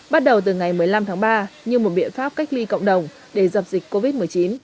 bắt đầu từ ngày một mươi năm tháng ba như một biện pháp cách ly cộng đồng để dập dịch covid một mươi chín